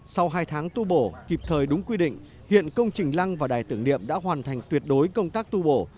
sau hai tháng tu bổ kịp thời đúng quy định hiện công trình lăng và đài tưởng niệm đã hoàn thành tuyệt đối công tác tu bổ